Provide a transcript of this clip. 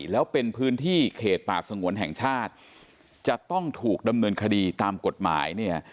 แล้วเป็นพื้นที่เขตป่าสงวนแห่งชาติจะต้องถูกดำเนินคดีตามกฎหมายเนี่ย